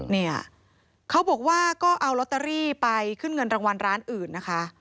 เนี่ยเขาบอกว่าก็เอาลอตเตอรี่ไปขึ้นเงินรางวัลร้านอื่นนะคะ